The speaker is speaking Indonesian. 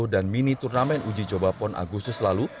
dan mini turnamen uji coba pon agusus lalu